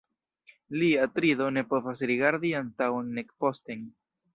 Li, Atrido, ne povas rigardi antaŭen, nek posten.